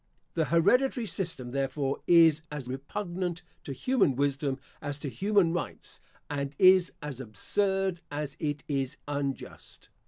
The hereditary system, therefore, is as repugnant to human wisdom as to human rights; and is as absurd as it is unjust.